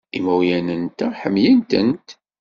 Imawlan-nteɣ ḥemmlen-tent.